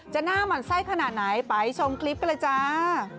หน้าหมั่นไส้ขนาดไหนไปชมคลิปกันเลยจ้า